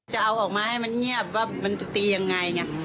จะเอาออกมาให้มันเงียบว่ามันจะตียังไงไง